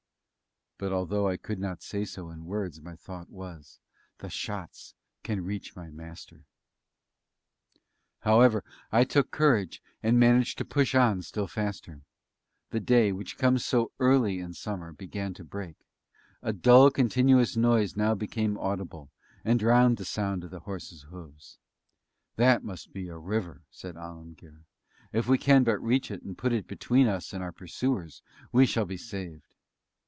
But although I could not say so in words, my thought was, The shots can reach my Master! However, I took courage, and managed to push on still faster. The day, which comes so early in summer, began to break. A dull continuous noise now became audible, and drowned the sound of the horses' hoofs. "That must be a river," said Alemguir. "If we can but reach it and put it between us and our pursuers, we shall be saved."